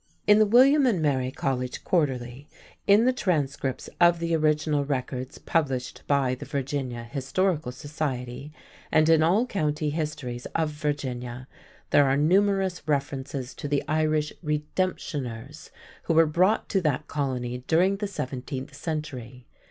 In the "William and Mary College Quarterly," in the transcripts of the original records published by the Virginia Historical Society, and in all County histories of Virginia, there are numerous references to the Irish "redemptioners" who were brought to that colony during the seventeenth century.